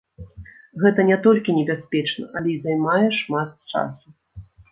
Гэта не толькі небяспечна, але і займае шмат часу.